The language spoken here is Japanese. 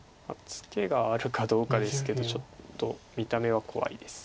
ツケがあるかどうかですけどちょっと見た目は怖いです。